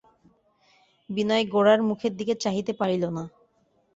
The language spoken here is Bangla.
বিনয় গোরার মুখের দিকে চাহিতে পারিল না।